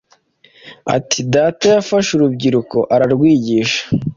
Ati “Data yafashe urubyiruko ararwigisha